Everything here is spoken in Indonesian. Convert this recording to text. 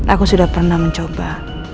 aku sudah pernah mencoba